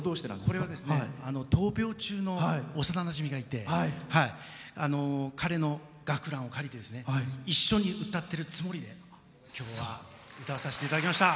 これは闘病中の幼なじみがいて彼の学ランを借りて一緒に歌ってるつもりで今日は歌わさせていただきました。